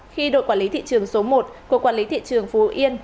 khi đội quản lý thị trường số một của quản lý thị trường phú yên